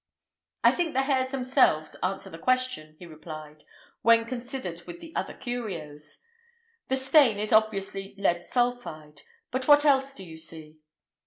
"I think the hairs themselves answer that question," he replied, "when considered with the other curios. The stain is obviously lead sulphide; but what else do you see?"